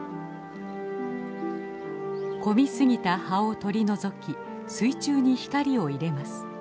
混みすぎた葉を取り除き水中に光を入れます。